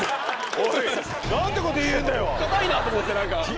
硬いなと思って何か。